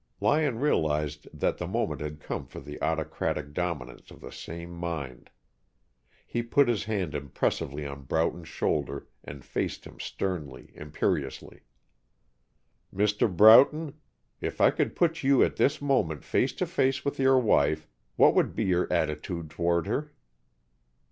Lyon realized that the moment had come for the autocratic dominance of the sane mind. He put his hand impressively on Broughton's shoulder and faced him sternly, imperiously. "Mr. Broughton, if I could put you at this moment face to face with your wife, what would be your attitude toward her?"